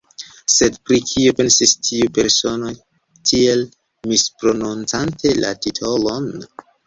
Sed pri kio pensis tiu persono, tiel misprononcante la titolon?